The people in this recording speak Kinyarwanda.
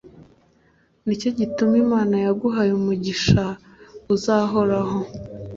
ni cyo gituma imana yaguhaye umugisha uzahoraho